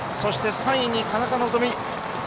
３位に田中希実。